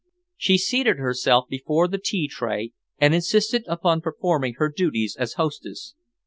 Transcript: She seated herself before the tea tray and insisted upon performing her duties as hostess.